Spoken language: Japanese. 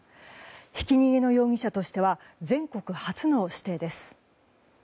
ひき逃げの容疑者としては全国初の指定です。